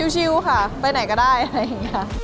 ชิลค่ะไปไหนก็ได้อะไรอย่างนี้ค่ะ